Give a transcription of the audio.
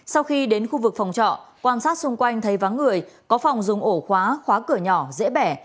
sau khi đến khu vực phòng trọ quan sát xung quanh thấy vắng người có phòng dùng ổ khóa khóa khóa khóa cửa nhỏ dễ bẻ